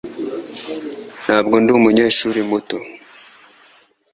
Ntabwo ndi umunyeshuri muto